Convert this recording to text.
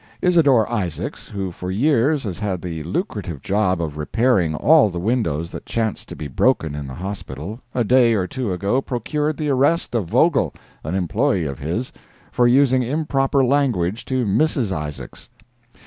Isadore Isaacs, who for years has had the lucrative job of repairing all the windows that chanced to get broken in the Hospital, a day or two ago procured the arrest of Vogel, an employee of his, for using improper language to Mrs. Isaacs.